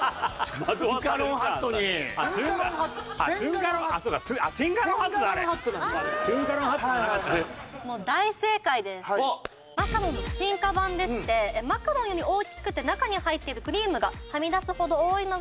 マカロンの進化版でしてマカロンより大きくて中に入っているクリームがはみ出すほど多いのが特徴的です。